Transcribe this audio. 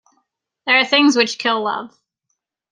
There are things which kill love.